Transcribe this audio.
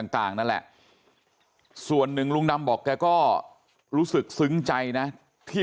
ต่างนั่นแหละส่วนหนึ่งลุงดำบอกแกก็รู้สึกซึ้งใจนะที่